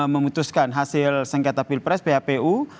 memutuskan hasil sengketa pilpres phpu